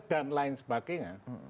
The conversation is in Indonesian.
dan lain sebagainya